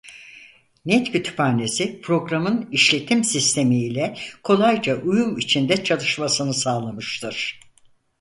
Net kütüphanesi programın işletim sistemi ile kolayca uyum içinde çalışmasını sağlamıştır.